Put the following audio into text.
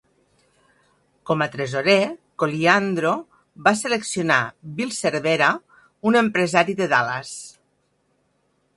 Com a tresorer, Colyandro va seleccionar Bill Ceverha, un empresari de Dallas.